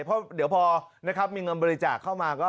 เพราะเดี๋ยวพอมีเงินบริจาคเข้ามา